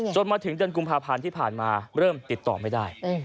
มาถึงเดือนกุมภาพันธ์ที่ผ่านมาเริ่มติดต่อไม่ได้